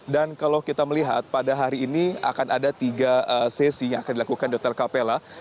kalau kita melihat pada hari ini akan ada tiga sesi yang akan dilakukan di hotel capella